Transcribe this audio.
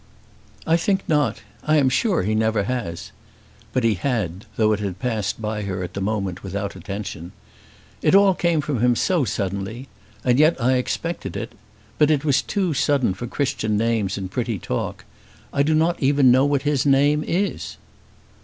"I think not. I am sure he never has." But he had, though it had passed by her at the moment without attention. "It all came from him so suddenly. And yet I expected it. But it was too sudden for Christian names and pretty talk. I do not even know what his name is."